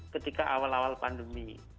ketika awal awal pandemi